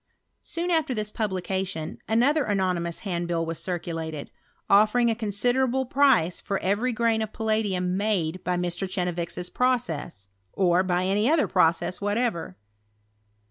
Soon after this publication, another anony mous handbill was circulated, offering a considera ' ble price for every grain of palladium made by Mr. Chenevix's process, or by any other process what ever.